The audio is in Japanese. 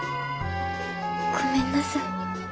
ごめんなさい。